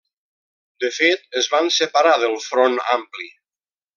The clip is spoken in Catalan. De fet, es van separar del Front Ampli.